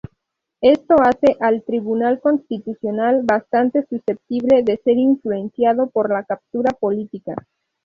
Esto hace al Tribunal Constitucional bastante susceptible de ser influenciado por la captura política.